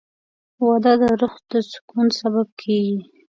• واده د روح د سکون سبب کېږي.